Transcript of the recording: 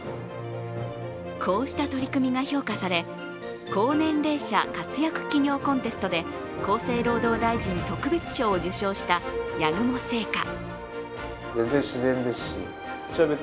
こうした取り組みが評価され高年齢者活躍企業コンテストで厚生労働省大臣特別賞を受賞した八雲製菓。